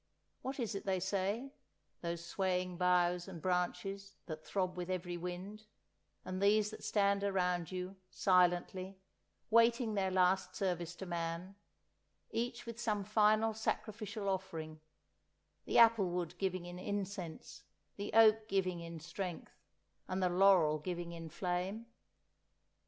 What is it they say, those swaying boughs and branches that throb with every wind, and these that stand around you, silently, waiting their last service to man, each with some final sacrificial offering—the apple wood giving in incense, the oak giving in strength, and the laurel giving in flame?